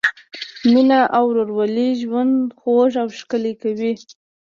مینه او ورورولي ژوند خوږ او ښکلی کوي.